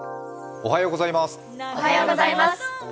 おはようございます。